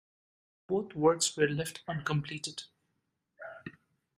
Both works were left uncompleted.